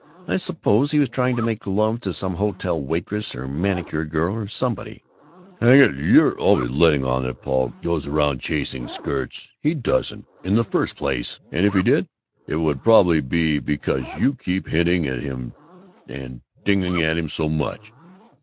"I suppose he was trying to make love to some hotel waitress or manicure girl or somebody." "Hang it, you're always letting on that Paul goes round chasing skirts. He doesn't, in the first place, and if he did, it would prob'ly be because you keep hinting at him and dinging at him so much.